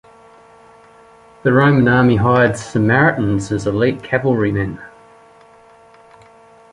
The Roman army hired Sarmatians as elite cavalrymen.